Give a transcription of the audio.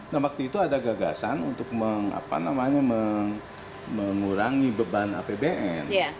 nah waktu itu ada gagasan untuk mengurangi beban apbn